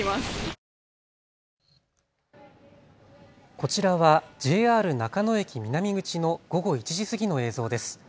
こちらはＪＲ中野駅南口の午後１時過ぎの映像です。